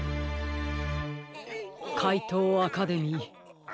かいとうアカデミー。